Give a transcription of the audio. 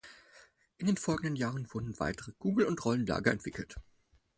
In den folgenden Jahren wurden weitere Kugel- und Rollenlager entwickelt.